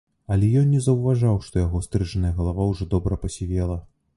Але ён не заўважаў, што яго стрыжаная галава ўжо добра пасівела.